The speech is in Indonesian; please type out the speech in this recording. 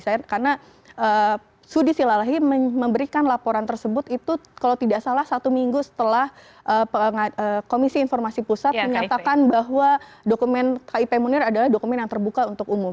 karena sudi silalahi memberikan laporan tersebut itu kalau tidak salah satu minggu setelah komisi informasi pusat menyatakan bahwa dokumen kip munir adalah dokumen yang terbuka untuk umum